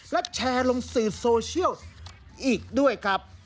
และแชร์ลงสื่อโซเชียลอีกด้วยครับ